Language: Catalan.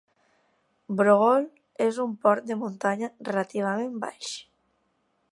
Broghol és un port de muntanya relativament baix.